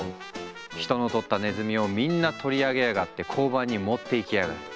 「人の捕った鼠を皆んな取り上げやがって交番に持って行きあがる。